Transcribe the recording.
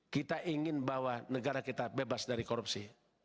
kita ingin bahwa negara kita bebas dari korupsi